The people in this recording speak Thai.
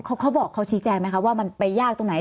เขาบอกเขาชี้แจงไหมคะว่ามันไปยากตรงไหน